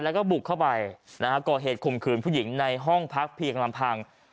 แล้วก็บุกเข้าไปนะฮะก่อเหตุข่มขืนผู้หญิงในห้องพักเพียงลำพัง